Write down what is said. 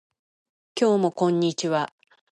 今日もこんにちは